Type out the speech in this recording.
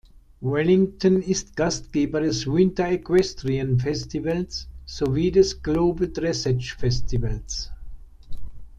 Wellington ist Gastgeber des Winter Equestrian Festivals, sowie des Global Dressage Festivals.